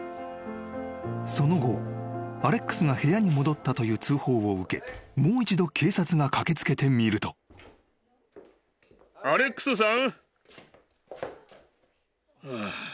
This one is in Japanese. ［その後アレックスが部屋に戻ったという通報を受けもう一度警察が駆け付けてみると］くそ。